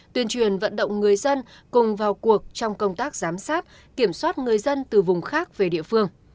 tuyên truyền vận động người dân cùng vào cuộc trong công tác giám sát kiểm soát người dân từ vùng khác về địa phương